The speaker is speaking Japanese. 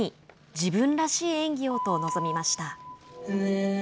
自分らしい演技をと臨みました。